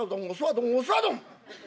どんおすわどん！